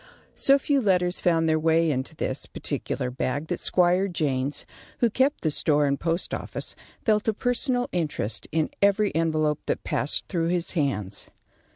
So few letters found their way into this, particular bag that Squire Jaynes, who kept the store and post office, felt a personal interest in every envelope that passed through his hands.